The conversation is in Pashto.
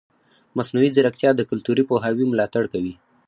مصنوعي ځیرکتیا د کلتوري پوهاوي ملاتړ کوي.